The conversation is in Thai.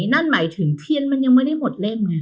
นั่นหมายถึงเพียนยังไม่ได้หมดเล่มต่างใช่มั้ย